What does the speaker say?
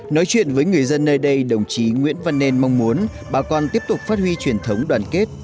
nói chuyện với người dân nơi đây đồng chí nguyễn văn nên mong muốn bà con tiếp tục phát huy truyền thống đoàn kết